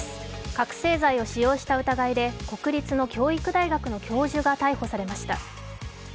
覚醒剤を使用した疑いが国立の教育大学の教授が逮捕されました。